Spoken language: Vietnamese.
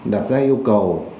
đạt ra yêu cầu